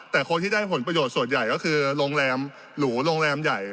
แต่คนที่ได้ผลประโยชน์ส่วนใหญ่ก็คือโรงแรมหรูโรงแรมใหญ่